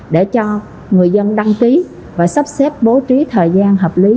để cho người dân đăng ký và sắp xếp bố trí thời gian hợp lý